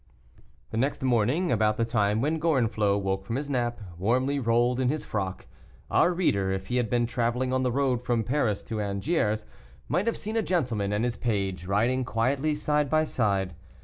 The next morning, about the time when Gorenflot woke from his nap, warmly rolled in his frock, our reader, if he had been traveling on the road from Paris to Angers, might have seen a gentleman and his page, riding quietly side by side.